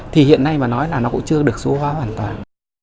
thì hiện nay mà nói là nó cũng chưa được số hóa hoàn toàn